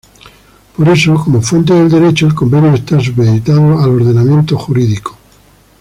Por eso, como fuente del Derecho, el convenio está supeditado al ordenamiento jurídico.